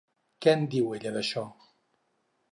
Què en diu ella, d'això?